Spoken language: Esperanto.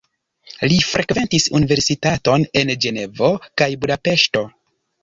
Li frekventis universitaton en Ĝenevo kaj Budapeŝto.